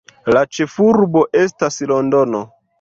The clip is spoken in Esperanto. La ĉefurbo estas Londono.